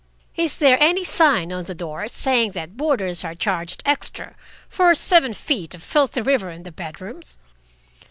"Is there any sign on the door saying that boarders are charged extra for seven feet of filthy river in the bedrooms?"